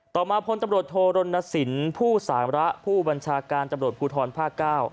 ต่อมาพลตำรวจโทรณสินผู้สารระผู้บัญชาการตำรวจภูทรภาค๙